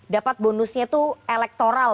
dapat bonusnya itu elektoral